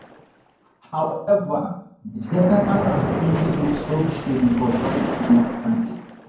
However, the General Assembly resolution provided no funding.